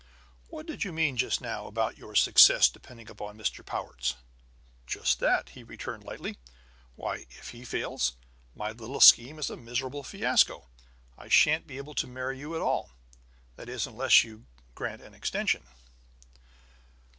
"What did you mean, just now, about your success depending upon Mr. Powart's?" "Just that," he returned lightly. "Why, if he fails, my little scheme is a miserable fiasco! I shan't be able to marry you at all; that is, unless you grant an extension!"